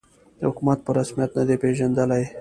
حکومت په رسمیت نه دی پېژندلی